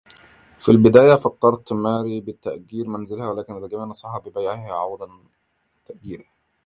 في البداية، فكّرت ماري بتأجير منزلها، ولكن الجميع نصحها ببيعه عوض تأجيره.